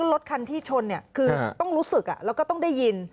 รถคันที่ชนคือต้องรู้สึกแล้วก็ต้องได้ยิน